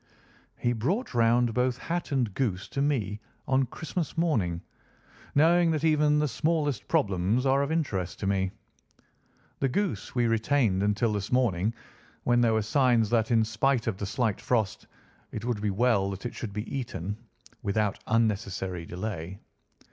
"He brought round both hat and goose to me on Christmas morning, knowing that even the smallest problems are of interest to me. The goose we retained until this morning, when there were signs that, in spite of the slight frost, it would be well that it should be eaten without unnecessary delay.